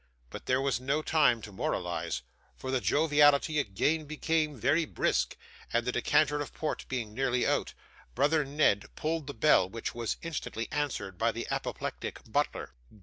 But there was no time to moralise, for the joviality again became very brisk, and the decanter of port being nearly out, brother Ned pulled the bell, which was instantly answered by the apoplectic butler.